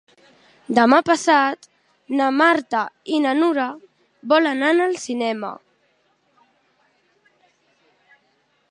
Demà passat na Marta i na Nura volen anar al cinema.